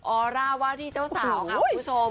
อร่าว่าที่เจ้าสาวค่ะคุณผู้ชม